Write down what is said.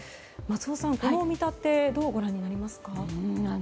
松尾さん、この見立てどうご覧になりますか。